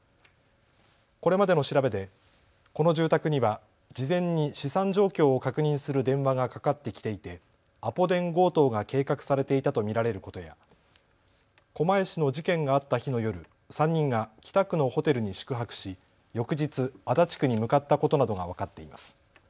これまでの調べでこの住宅には事前に資産状況を確認する電話がかかってきていてアポ電強盗が計画されていたと見られることや狛江市の事件があった日の夜、３人が北区のホテルに宿泊し翌日、足立区に向かったことなどが分かっています。